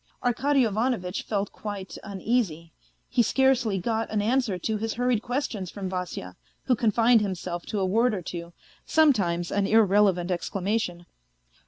Arkady Ivanovitch felt quite uneasy; he scarcely got an answer to his hurried questions from Vasya, who confined himself to a word or two, sometimes an irrelevant exclamation.